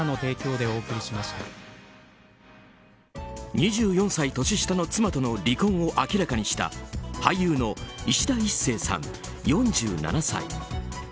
２４歳年下の妻との離婚を明らかにした俳優のいしだ壱成さん、４７歳。